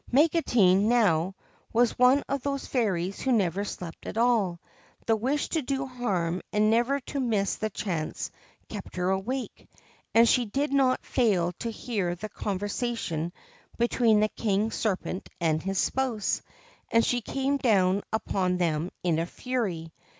Magotine, now, was one of those fairies who never slept at all : the wish to do harm and never to miss the chance kept her awake; and she did not fail to hear the conversation between the King Serpent and his spouse ; and she came down upon them in a fury.